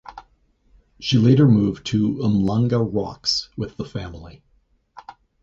She later moved to Umhlanga Rocks with the family.